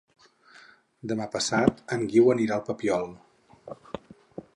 Demà passat en Guiu anirà al Papiol.